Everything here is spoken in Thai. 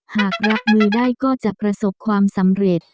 หากรับมือได้ก็จะประสบความสำเร็จ